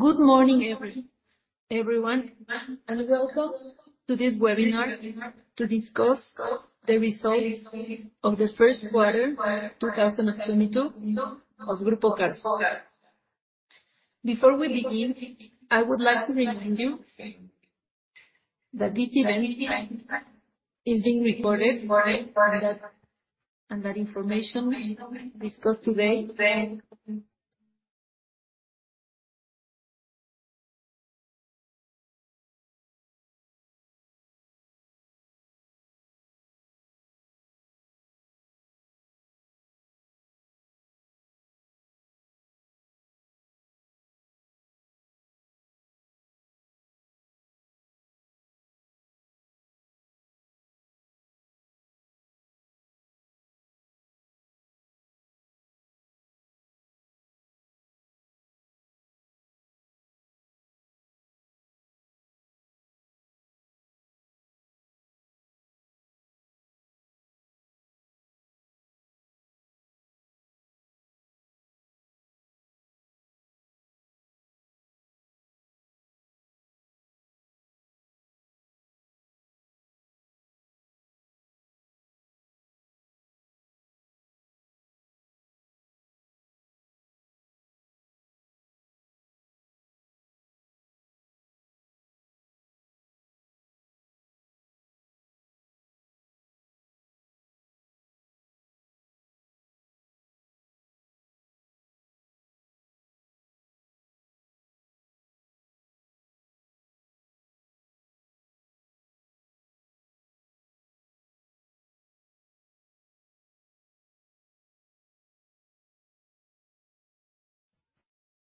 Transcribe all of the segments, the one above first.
Good morning everyone, and welcome to this webinar to discuss the results of the first quarter 2022 of Grupo Carso. Before we begin, I would like to remind you that this event is being recorded for that, and that information discussed today.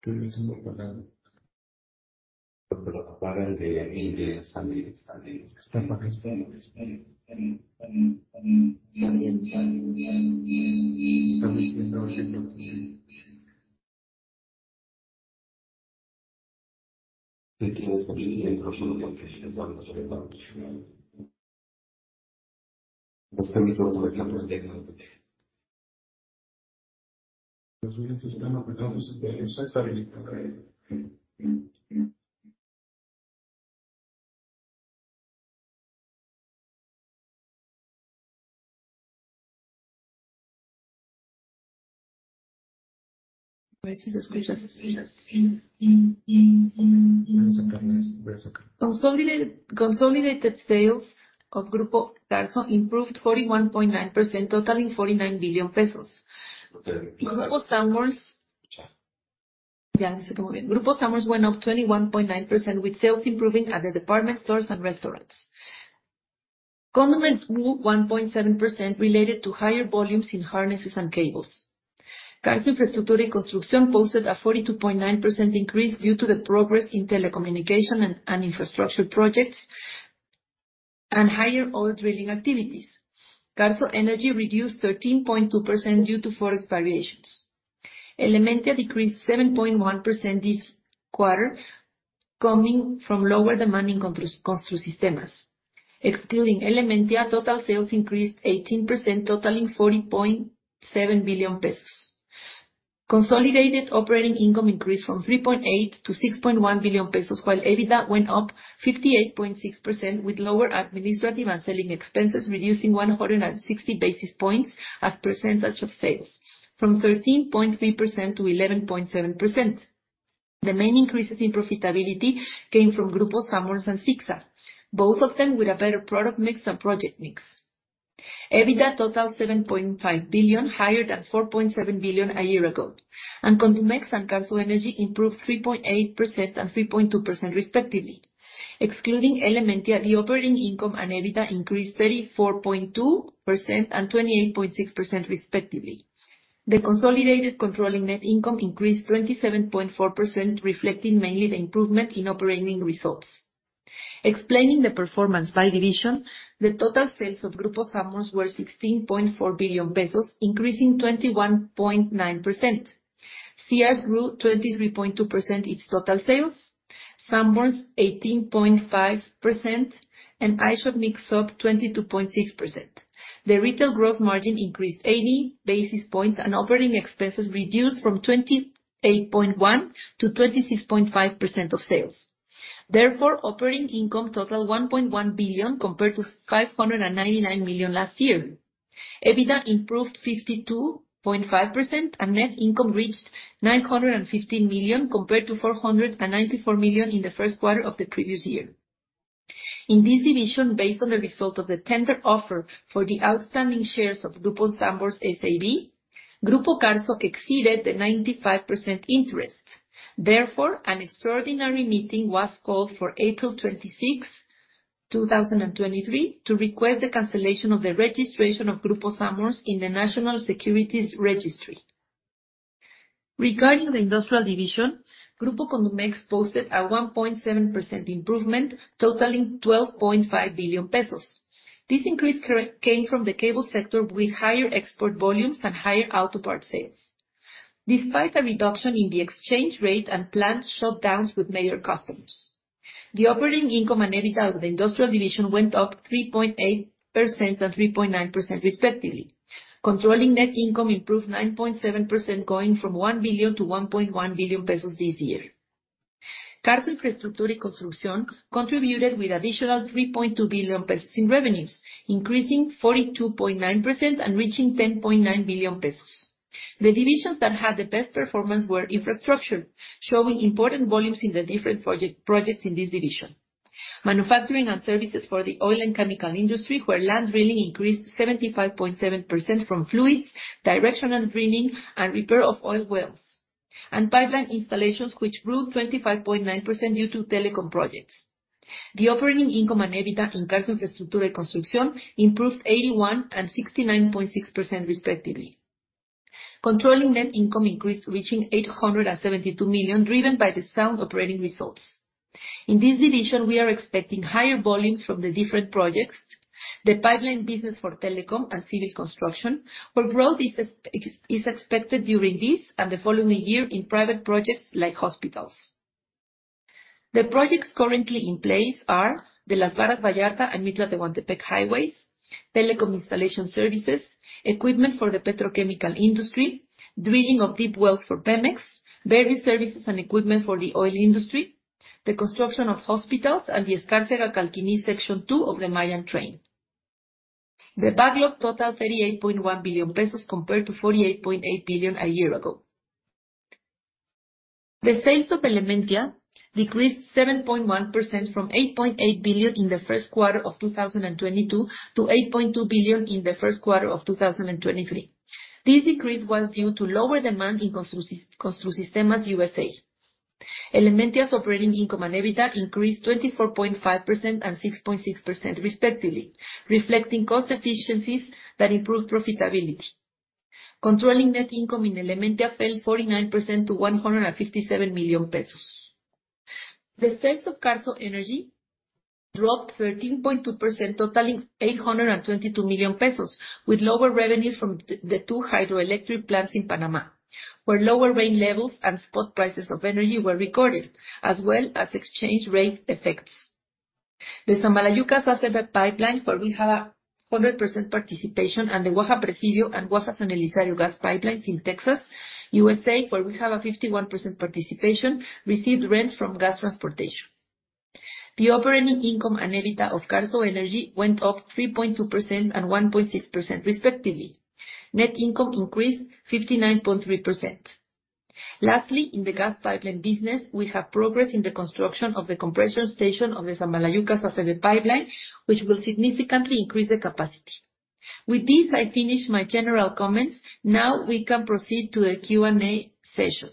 Consolidated sales of Grupo Carso improved 41.9%, totaling 49 billion pesos. Grupo Sanborns went up 21.9%, with sales improving at the department stores and restaurants. Condumex grew 1.7% related to higher volumes in harnesses and cables. Carso Infraestructura y Construcción posted a 42.9% increase due to the progress in telecommunication and infrastructure projects and higher oil drilling activities. Carso Energy reduced 13.2% due to Forex variations. Elementia decreased 7.1% this quarter, coming from lower demanding Construsistemas. Excluding Elementia, total sales increased 18%, totaling 40.7 billion pesos. Consolidated operating income increased from 3.8 billion-6.1 billion pesos, while EBITDA went up 58.6% with lower administrative and selling expenses, reducing 160 basis points as percentage of sales from 13.3%-11.7%. The main increases in profitability came from Grupo Sanborns and CICSA, both of them with a better product mix and project mix. EBITDA totaled 7.5 billion, higher than 4.7 billion a year ago, and Condumex and Carso Energy improved 3.8% and 3.2% respectively. Excluding Elementia, the operating income and EBITDA increased 34.2% and 28.6% respectively. The consolidated controlling net income increased 27.4%, reflecting mainly the improvement in operating results. Explaining the performance by division, the total sales of Grupo Sanborns were 16.4 billion pesos, increasing 21.9%. CS grew 23.2% its total sales, Sanborns 18.5%, and iShop 22.6%. The retail gross margin increased 80 basis points, and operating expenses reduced from 28.1%-26.5% of sales. Operating income totaled 1.1 billion compared to 599 million last year. EBITDA improved 52.5%, and net income reached 915 million compared to 494 million in the first quarter of the previous year. In this division, based on the result of the tender offer for the outstanding shares of Grupo Sanborns SAB, Grupo Carso exceeded the 95% interest. Therefore, an extraordinary meeting was called for April 26, 2023 to request the cancellation of the registration of Grupo Sanborns in the National Securities Registry. Regarding the industrial division, Grupo Condumex posted a 1.7% improvement, totaling 12.5 billion pesos. This increase came from the cable sector, with higher export volumes and higher auto part sales, despite a reduction in the exchange rate and plant shutdowns with major customers. The operating income and EBITDA of the industrial division went up 3.8% and 3.9% respectively. Controlling net income improved 9.7%, going from 1 billion to 1.1 billion pesos this year. Carso Infraestructura y Construcción contributed with additional 3.2 billion pesos in revenues, increasing 42.9% and reaching 10.9 billion pesos. The divisions that had the best performance were infrastructure, showing important volumes in the different projects in this division. Manufacturing and services for the oil and chemical industry, where land drilling increased 75.7% from fluids, directional drilling and repair of oil wells. Pipeline installations, which grew 25.9% due to telecom projects. The operating income and EBITDA in Carso Infraestructura y Construcción improved 81% and 69.6% respectively. Controlling net income increased, reaching 872 million, driven by the sound operating results. In this division, we are expecting higher volumes from the different projects, the pipeline business for telecom and civil construction, where growth is expected during this and the following year in private projects like hospitals. The projects currently in place are the Las Varas-Vallarta and Mitla-Tehuantepec highways, telecom installation services, equipment for the petrochemical industry, drilling of deep wells for Pemex, various services and equipment for the oil industry, the construction of hospitals, and the Escárcega-Calkini section two of the Mayan Train. The backlog totaled 38.1 billion pesos compared to 48.8 billion a year ago. The sales of Elementia decreased 7.1% from 8.8 billion in the first quarter of 2022 to 8.2 billion in the first quarter of 2023. This decrease was due to lower demand in Construsistemas USA. Elementia's operating income and EBITDA increased 24.5% and 6.6% respectively, reflecting cost efficiencies that improved profitability. Controlling net income in Elementia fell 49% to 157 million pesos. The sales of Carso Energy dropped 13.2%, totaling 822 million pesos, with lower revenues from the two hydroelectric plants in Panama, where lower rain levels and spot prices of energy were recorded, as well as exchange rate effects. The Samalayuca-Sásabe pipeline, where we have 100% participation, and the Waha-Presidio and Waha-San Elizario gas pipelines in Texas, USA, where we have 51% participation, received rents from gas transportation. The operating income and EBITDA of Carso Energy went up 3.2% and 1.6% respectively. Net income increased 59.3%. Lastly, in the gas pipeline business, we have progress in the construction of the compression station of the Samalayuca-Sásabe pipeline, which will significantly increase the capacity. With this, I finish my general comments. We can proceed to the Q&A session.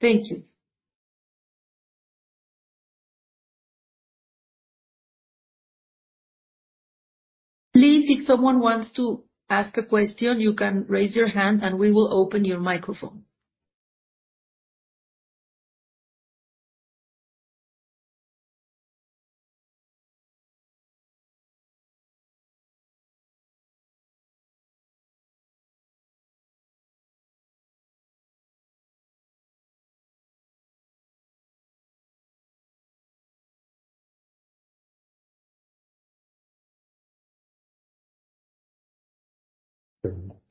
Thank you. Please, if someone wants to ask a question, you can raise your hand and we will open your microphone.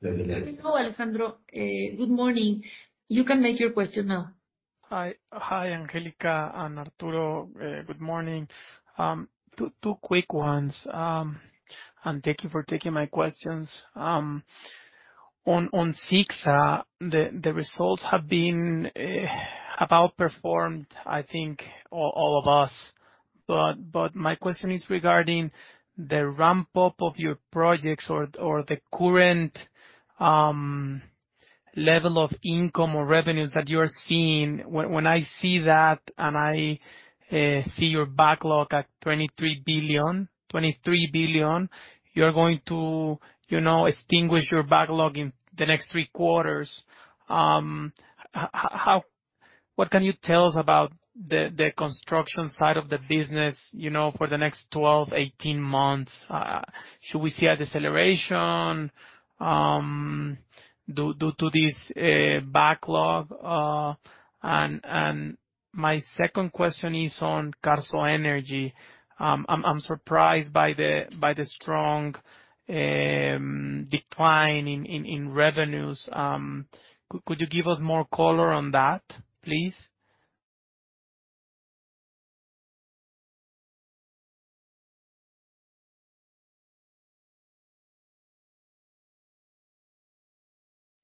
Alejandro, good morning. You can make your question now. Hi, Angelica and Arturo. Good morning. Two quick ones. Thank you for taking my questions. On CICSA, the results have been about performed, I think all of us. My question is regarding the ramp up of your projects or the current level of income or revenues that you are seeing. When I see that and I see your backlog at 23 billion, you're going to, you know, extinguish your backlog in the next three quarters. What can you tell us about the construction side of the business, you know, for the next 12 months, 18 months? Should we see a deceleration due to this backlog? My second question is on Carso Energy. I'm surprised by the strong decline in revenues. Could you give us more color on that, please?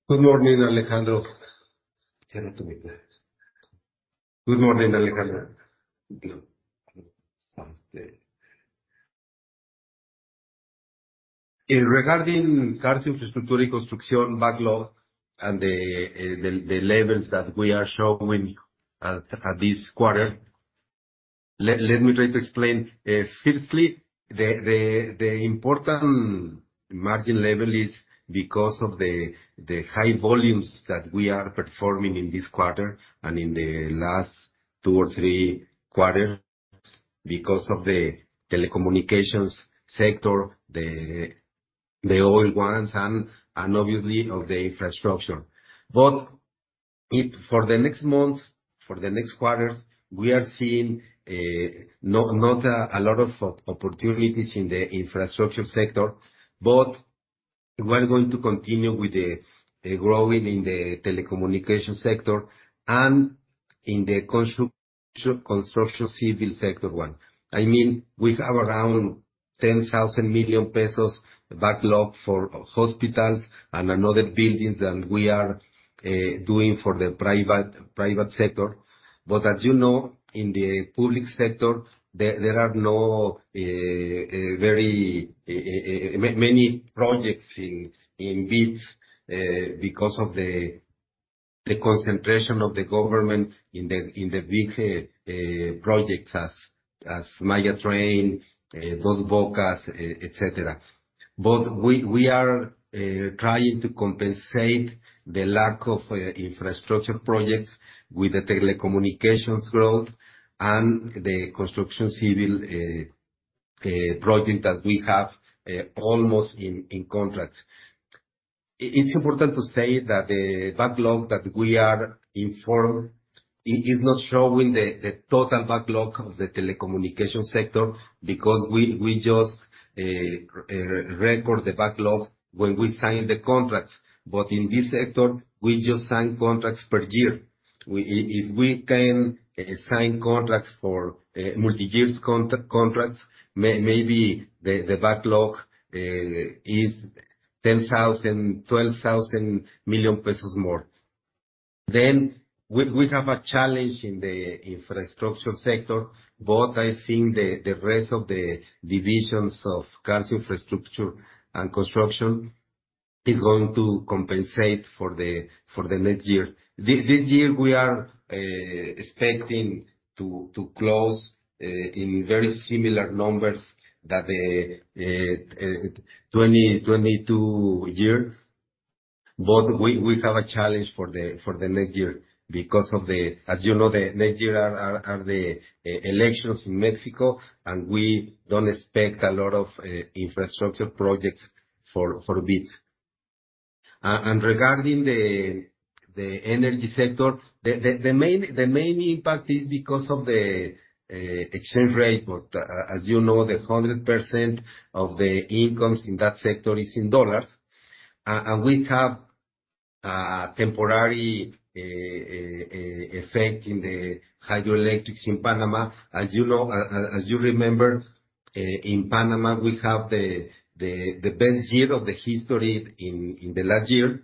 Good morning, Alejandro. Regarding Carso Infraestructura y Construcción backlog and the levels that we are showing at this quarter, let me try to explain. Firstly, the important margin level is because of the high volumes that we are performing in this quarter and in the last two or three quarters because of the telecommunications sector, the oil ones and obviously of the infrastructure. If for the next months, for the next quarters, we are seeing not a lot of opportunities in the infrastructure sector. We are going to continue with the growing in the telecommunication sector and in the construction civil sector one. I mean, we have around 10,000 million pesos backlog for hospitals and another buildings that we are doing for the private sector. As you know, in the public sector, there are no very many projects in bids because of the concentration of the government in the big projects as Maya Train, Dos Bocas, et cetera. We are trying to compensate the lack of infrastructure projects with the telecommunications growth and the construction civil project that we have almost in contract. It's important to say that the backlog that we are informed is not showing the total backlog of the telecommunication sector because we just record the backlog when we sign the contracts. In this sector, we just sign contracts per year. If we can sign contracts for multi-years contracts, maybe the backlog is 10,000 million-12,000 million pesos more. We have a challenge in the infrastructure sector. I think the rest of the divisions of Carso Infrastructure and Construction is going to compensate for the next year. This year we are expecting to close in very similar numbers that the 2022 year. We have a challenge for the next year because of the. As you know, the next year are the elections in Mexico, we don't expect a lot of infrastructure projects for bids. Regarding the energy sector, the main impact is because of the exchange rate. As you know, the 100% of the incomes in that sector is in dollars. We have a temporary effect in the hydroelectrics in Panama. As you know, as you remember, in Panama, we have the best year of the history in the last year.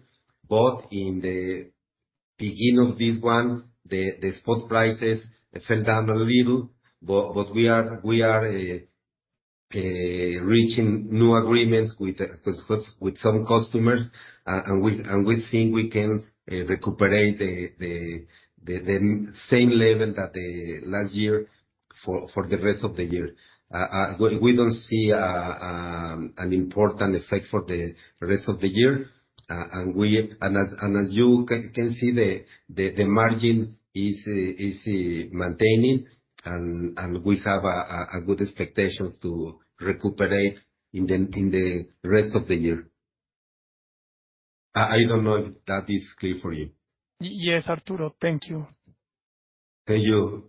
In the beginning of this one, the spot prices fell down a little. We are reaching new agreements with some customers. And we think we can recuperate the same level that the last year for the rest of the year. We don't see an important effect for the rest of the year. And as you can see, the margin is maintaining, and we have a good expectations to recuperate in the rest of the year. I don't know if that is clear for you. Yes, Arturo. Thank you. Thank you.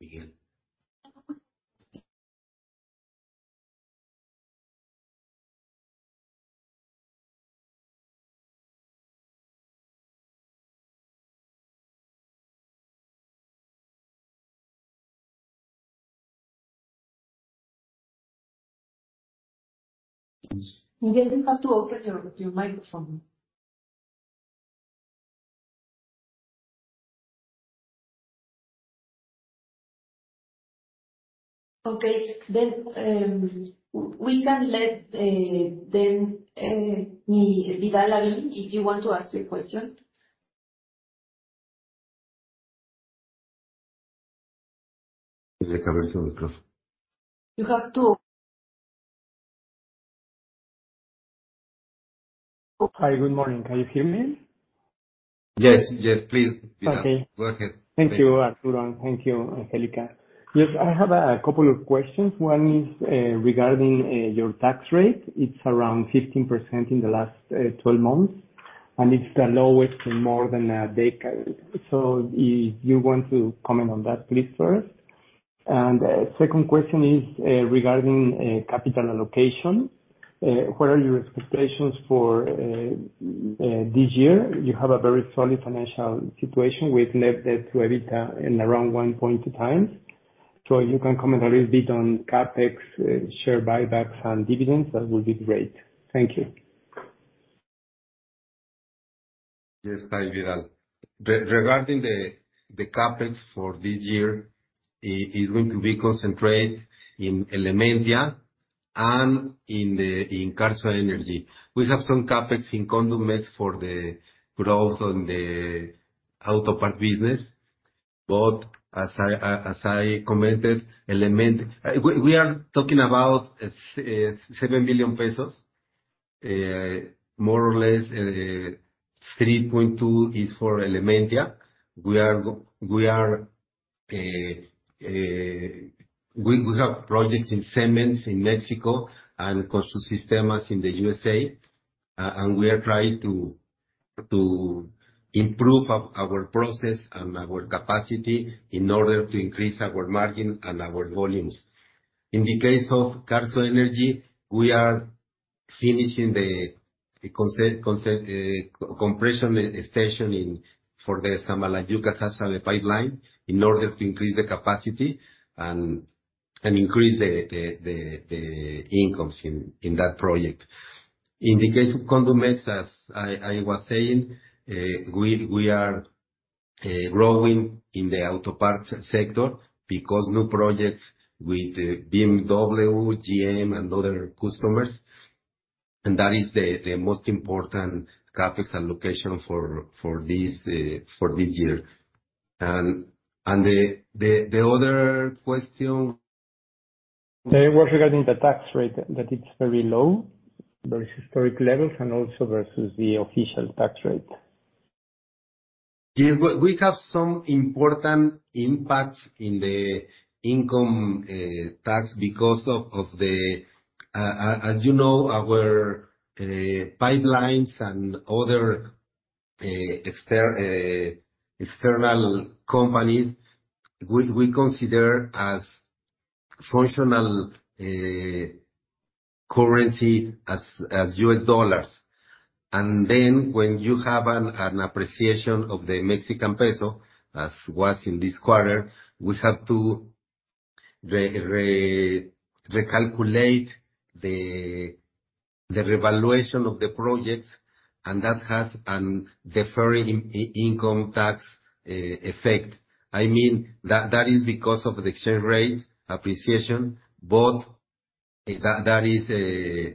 Miguel. Miguel, you have to open your microphone. Okay. We can let, then, Vidal Lavín, if you want to ask your question. You have to- Hi. Good morning. Can you hear me? Yes. Yes, please, Vidal. Okay. Go ahead. Thank you, Arturo. Thank you, Angelica. Yes, I have a couple of questions. One is regarding your tax rate. It's around 15% in the last 12 months, and it's the lowest in more than a decade. If you want to comment on that please first. Second question is regarding capital allocation. What are your expectations for this year? You have a very solid financial situation with net debt to EBITDA in around 1.2x. If you can comment a little bit on CapEx, share buybacks and dividends, that would be great. Thank you. Yes. Hi, Vidal. Regarding the CapEx for this year, it's going to be concentrate in Elementia and in Carso Energy. We have some CapEx in Condumex for the growth on the auto part business. As I commented, we are talking about 7 billion pesos. More or less, 3.2 billion is for Elementia. We have projects in cements in Mexico and construction systems in the USA, and we are trying to improve our process and our capacity in order to increase our margin and our volumes. In the case of Carso Energy, we are finishing the concept compression station for the Samalayuca pipeline in order to increase the capacity and increase the incomes in that project. In the case of Condumex, as I was saying, we are growing in the auto parts sector because new projects with BMW, GM and other customers. That is the most important CapEx and location for this year. The other question? It was regarding the tax rate, that it's very low versus historic levels and also versus the official tax rate. Yeah. We have some important impacts in the income tax because of the. As you know, our pipelines and other external companies, we consider as functional currency as US dollars. When you have an appreciation of the Mexican peso, as was in this quarter, we have to recalculate the revaluation of the projects, and that has an deferred income tax effect. I mean, that is because of the exchange rate appreciation, that is a,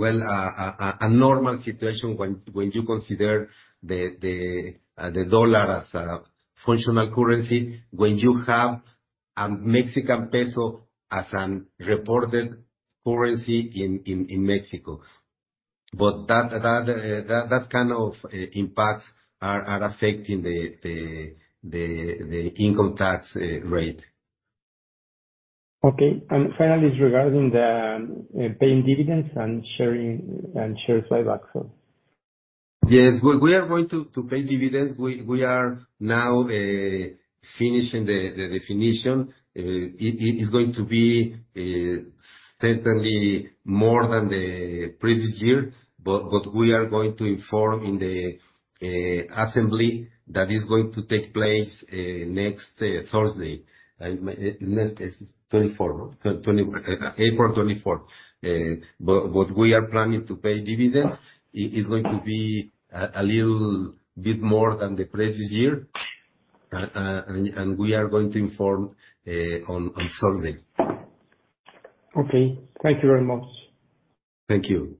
well, a normal situation when you consider the dollar as a functional currency when you have a Mexican peso as an reported currency in Mexico. That kind of impact are affecting the income tax rate. Okay. Finally is regarding the paying dividends and shares buyback. Yes. We are going to pay dividends. We are now finishing the definition. It is going to be certainly more than the previous year, but we are going to inform in the assembly that is going to take place next Thursday. Next 24th, no? 24th. April 24th. We are planning to pay dividends. It's going to be a little bit more than the previous year. We are going to inform on Sunday. Okay. Thank you very much. Thank you.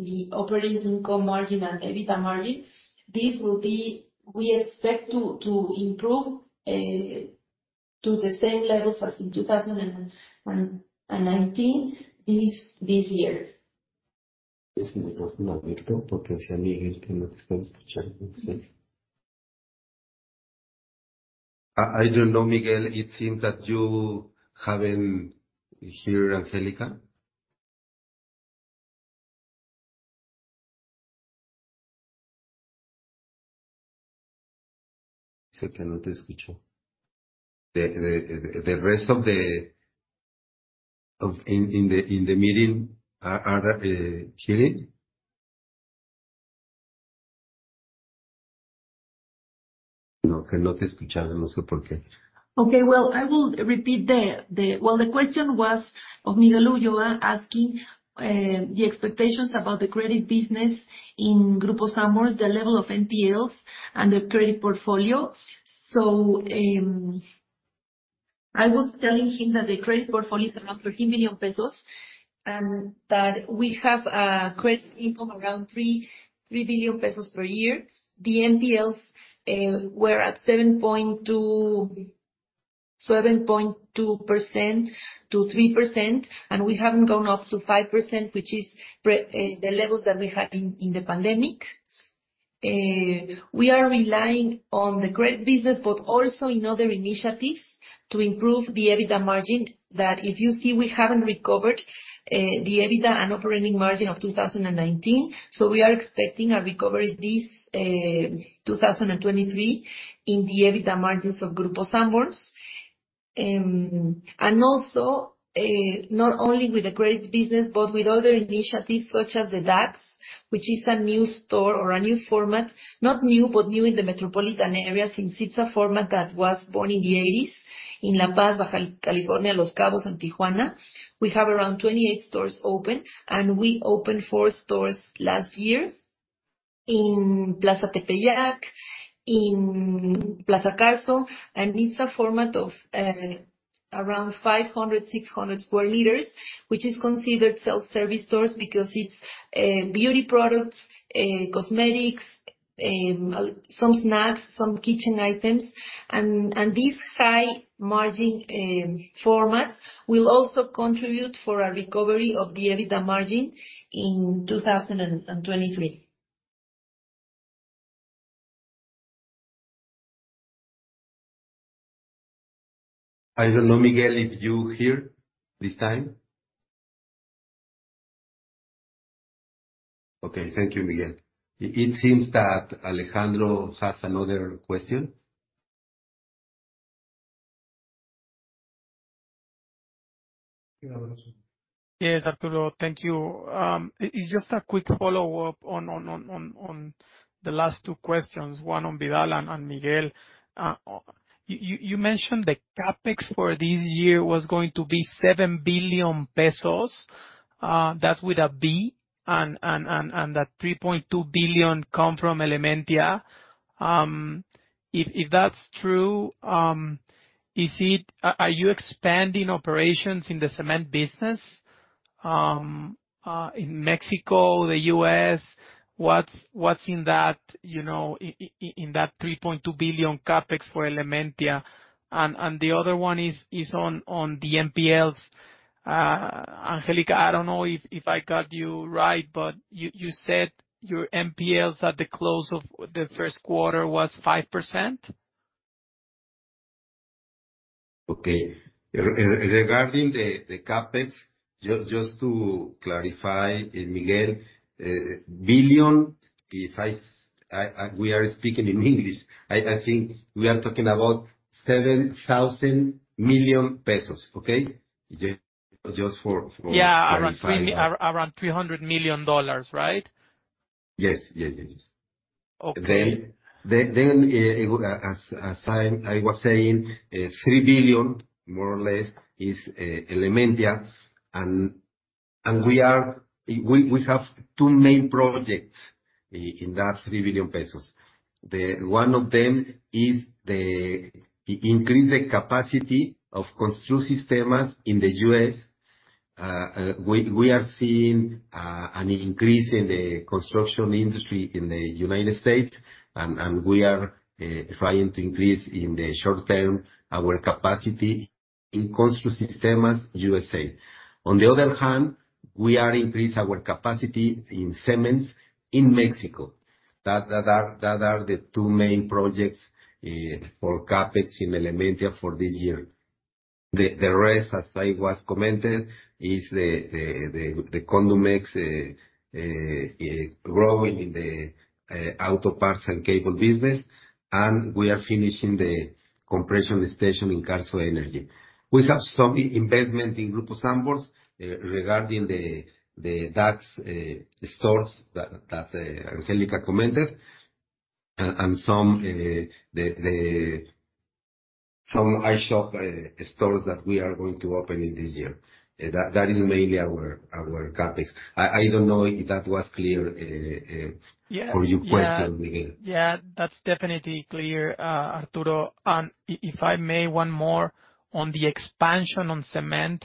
The operating income margin and EBITDA margin, we expect to improve to the same levels as in 2019 this year. I don't know, Miguel. It seems that you haven't heard Angelica. The rest of the in the meeting are hearing? Okay. I will repeat the question was of Miguel Ulloa asking the expectations about the credit business in Grupo Sanborns, the level of NPLs and the credit portfolio. I was telling him that the credit portfolio is around 13 billion pesos, and that we have a credit income around 3 billion pesos per year. The NPLs were at 7.2%-3%, we haven't gone up to 5%, which is the levels that we had in the pandemic. We are relying on the credit business, also in other initiatives to improve the EBITDA margin, that if you see, we haven't recovered the EBITDA and operating margin of 2019. We are expecting a recovery this 2023 in the EBITDA margins of Grupo Sanborns. Not only with the credit business, but with other initiatives such as the Dax, which is a new store or a new format. Not new, but new in the metropolitan areas, since it's a format that was born in the 80s in La Paz, Baja California, Los Cabos and Tijuana. We have around 28 stores open, and we opened four stores last year in Plaza Tepayac, in Plaza Carso. It's a format of around 500 square meters-600 square meters, which is considered self-service stores because it's beauty products, cosmetics, some snacks, some kitchen items. This high margin format will also contribute for a recovery of the EBITDA margin in 2023. I don't know, Miguel, if you hear this time. Okay. Thank you, Miguel. It seems that Alejandro has another question. Yes, Arturo. Thank you. It's just a quick follow-up on the last two questions, one on Vidal and Miguel. You mentioned the CapEx for this year was going to be 7 billion pesos. That's with a B and that 3.2 billion come from Elementia. If that's true, are you expanding operations in the cement business in Mexico, the U.S.? What's in that, you know, in that 3.2 billion CapEx for Elementia? The other one is on the NPLs. Angelica, I don't know if I got you right, but you said your NPLs at the close of the first quarter was 5%. Okay. Regarding the CapEx, just to clarify, Miguel, billion. We are speaking in English, I think we are talking about 7 billion pesos. Okay? Just for clarifying that. Yeah. Around $300 million, right? Yes. Yes, yes. Okay. As I was saying, 3 billion more or less is Elementia. We have two main projects in that 3 billion pesos. One of them is increase the capacity of Construsistemas in the U.S. We are seeing an increase in the construction industry in the United States, and we are trying to increase in the short term our capacity in Construsistemas U.S.A. On the other hand, we are increase our capacity in cements in Mexico. That are the two main projects for CapEx in Elementia for this year. The rest, as I was commented, is the Condumex growing in the auto parts and cable business, and we are finishing the compression station in Carso Energy. We have some investment in Grupo Sanborns, regarding the Dax stores that Angelica commented, and some iShop stores that we are going to open in this year. That is mainly our CapEx. I don't know if that was clear. Yeah. For your question, Miguel. Yeah. Yeah. That's definitely clear, Arturo. If I may, one more on the expansion on cement.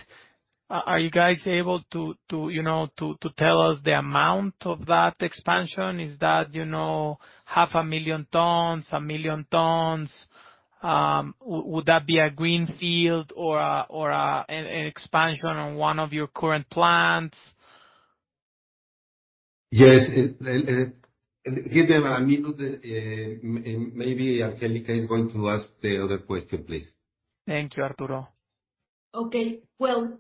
Are you guys able to, you know, to tell us the amount of that expansion? Is that, you know, 500,000 tons, 1 million tons? Would that be a greenfield or a an expansion on one of your current plants? Yes. Give them a minute, maybe Angelica is going to ask the other question, please. Thank you, Arturo. Okay. Well,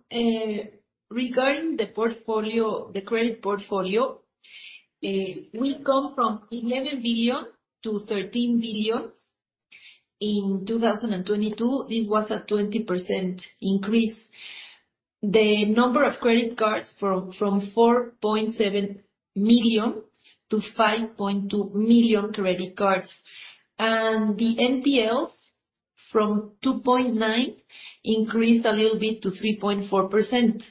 regarding the portfolio, the credit portfolio, we've gone from 11 billion to 13 billion in 2022. This was a 20% increase. The number of credit cards from 4.7 million to 5.2 million credit cards. The NPLs from 2.9% increased a little bit to 3.4%.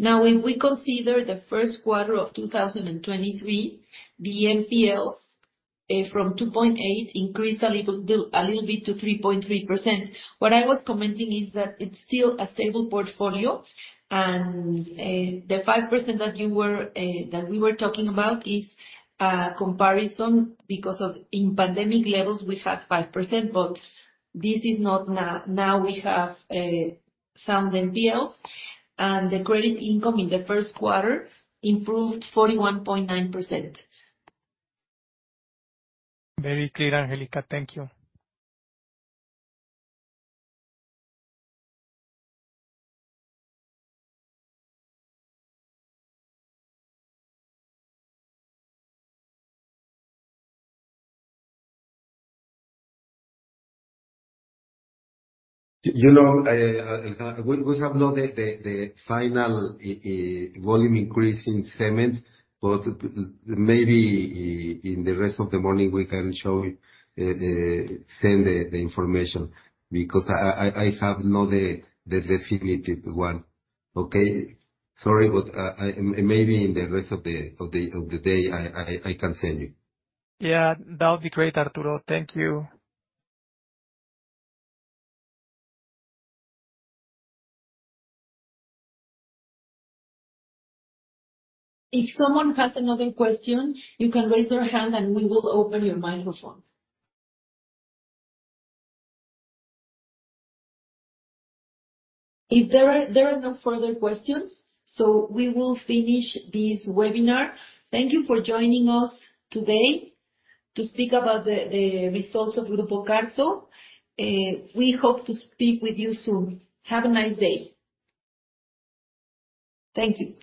If we consider the first quarter of 2023, the NPLs from 2.8% increased a little bit to 3.3%. What I was commenting is that it's still a stable portfolio and the 5% that you were that we were talking about is a comparison because of in pandemic levels we had 5%, but this is not now. We have some NPLs, and the credit income in the first quarter improved 41.9%. Very clear, Angelica. Thank you. You know, we have not the final volume increase in cement, but maybe in the rest of the morning we can show it, send the information because I have not the definitive one. Okay? Sorry. Maybe in the rest of the day, I can send you. Yeah. That would be great, Arturo. Thank you. If someone has another question, you can raise your hand and we will open your microphone. There are no further questions, we will finish this webinar. Thank you for joining us today to speak about the results of Grupo Carso. We hope to speak with you soon. Have a nice day. Thank you.